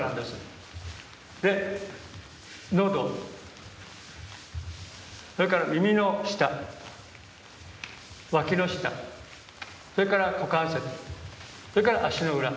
で喉それから耳の下わきの下それから股関節それから足の裏。